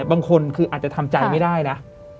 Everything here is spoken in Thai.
บางคนคืออาจจะทำใจไม่ได้นะ